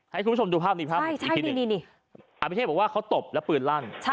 ให้คุณผู้ชมดูภาพนี้ครับอัภิเทพบอกว่าเขาตบแล้วปืนลั่น